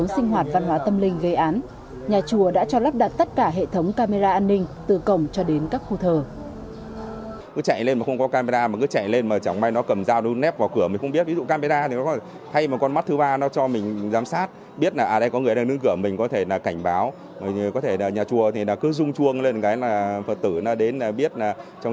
sinh hoạt văn hóa tâm linh gây án nhà chùa đã cho lắp đặt tất cả hệ thống camera an ninh từ cổng